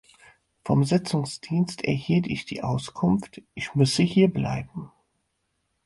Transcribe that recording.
Vom Sitzungsdienst erhielt ich die Auskunft, ich müsse hierbleiben.